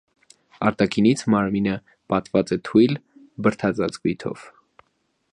Արտաքինից մարմինը պատված է թույլ բրդածածկով։